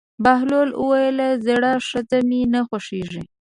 بهلول وویل: زړه ښځه مې نه خوښېږي.